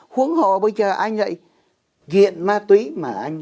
khuống hồ bây giờ ai nhạy nghiện ma túy mà anh